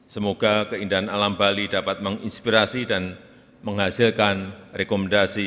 semoga keindahan alam bali dapat menginspirasi dan menghasilkan rekomendasi